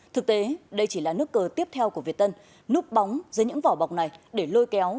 thực tế đây chỉ là nước cờ tiếp theo của việt tân núp bóng dưới những vỏ bọc này để lôi kéo